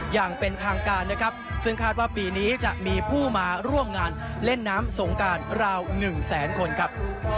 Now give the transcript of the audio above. อย่างเป็นทางการนะครับซึ่งคาดว่าปีนี้จะมีผู้มาร่วมงานเล่นน้ำสงการราวหนึ่งแสนคนครับ